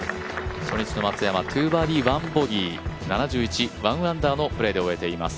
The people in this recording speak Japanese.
初日の松山、２バーディー、１ボギー７１、１アンダーのプレーで終えています。